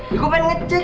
ya gue pengen ngecek